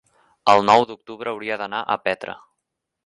El nou d'octubre hauria d'anar a Petra.